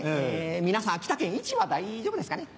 皆さん秋田県位置は大丈夫ですかね？